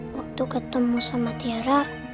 waktu ketemu sama tiara